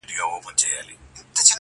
دوی پخپله هم یو بل سره وژله!